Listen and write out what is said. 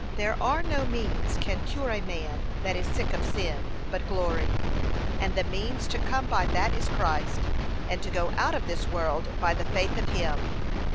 there are no means can cure a man that is sick of sin, but glory; and the means to come by that is Christ, and to go out of this world by the faith of him.